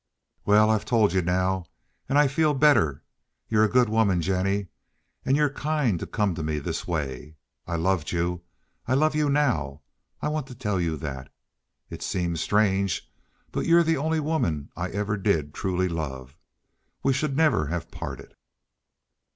"Well, I've told you now, and I feel better. You're a good woman, Jennie, and you're kind to come to me this way." I loved you. I love you now. I want to tell you that. It seems strange, but you're the only woman I ever did love truly. We should never have parted.